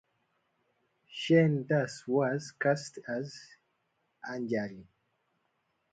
Sheen Das was cast as Anjali.